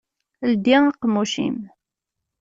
Ldi aqemmuc-im!